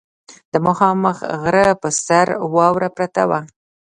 د مخامخ غره پر سر واوره پرته وه.